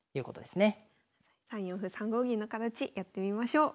３四歩３五銀の形やってみましょう。